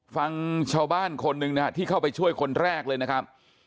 ฟังชาวบ้านคนหนึ่งนะฮะที่เข้าไปช่วยคนแรกเลยนะครับ